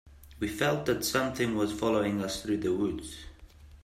We felt that something was following us through the woods.